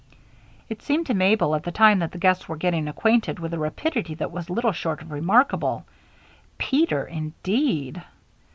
It seemed to Mabel at the time that the guests were getting acquainted with a rapidity that was little short of remarkable "Peter" indeed.